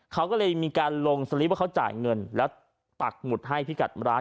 เขาก็เลยมีการลงสลิปว่าเขาจ่ายเงินแล้วปักหมุดให้พิกัดร้าน